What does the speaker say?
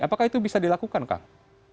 apakah itu bisa dilakukan kang